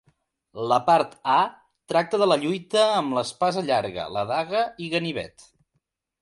La part A tracta de la lluita amb l'espasa llarga, la daga i ganivet.